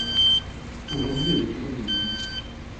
Aujourd'hui elle est toujours visible.